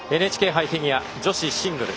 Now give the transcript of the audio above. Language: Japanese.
ＮＨＫ杯フィギュア女子シングル。